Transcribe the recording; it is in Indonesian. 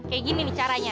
kayak gini nih caranya